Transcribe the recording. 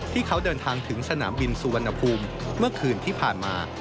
ที่เขาเดินทางถึงสนามบินสุวรรณภูมิเมื่อคืนที่ผ่านมา